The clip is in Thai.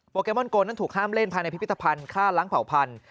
แกมอนโกนั้นถูกห้ามเล่นภายในพิพิธภัณฑ์ฆ่าล้างเผ่าพันธุ